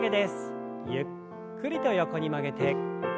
ゆっくりと横に曲げて。